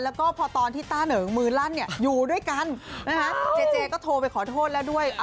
แล้วก็พอตอนที่ต้าเหนิงมือลั่นอยู่ด้วยกันเจเจก็โทรไปขอโทษแล้วด้วย